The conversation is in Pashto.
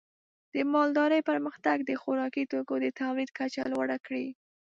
د مالدارۍ پرمختګ د خوراکي توکو د تولید کچه لوړه کړې.